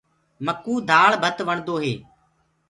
مڪوُ دآݪ ڀت وڻدو هي۔